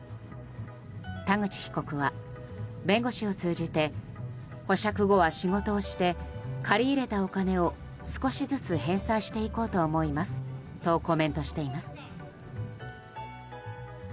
田口被告は弁護士を通じて保釈後は仕事をして借り入れたお金を少しずつ返済していこうと思いますとコメントしています。